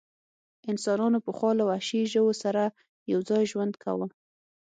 انسانانو پخوا له وحشي ژوو سره یو ځای ژوند کاوه.